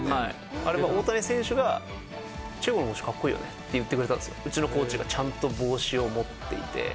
あれは大谷選手がチェコの帽子、かっこいいよねって言ってくれたんですよ、うちのコーチがちゃんと帽子を持っていて。